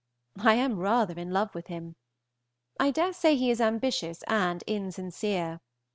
I am rather in love with him. I dare say he is ambitious and insincere.